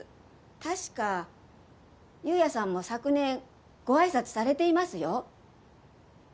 確か夕也さんも昨年ご挨拶されていますよ。